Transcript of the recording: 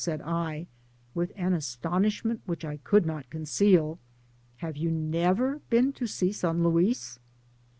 *"' said I, with an astonishment which I could not conceal,— have you never been to^see San Luis